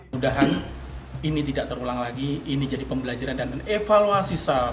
mudahan ini tidak terulang lagi ini jadi pembelajaran dan evaluasi saya